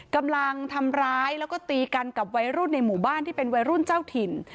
กำลังทำร้ายแล้วก็ตีกันกับวัยรุ่นในหมู่บ้านที่เป็นวัยรุ่นเจ้าถิ่น